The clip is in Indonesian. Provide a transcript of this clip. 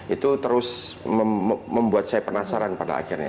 itu terus membuat saya penasaran pada akhirnya